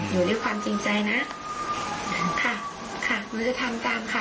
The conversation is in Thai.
อยู่ด้วยความจริงใจนะค่ะค่ะหนูจะทำตามค่ะ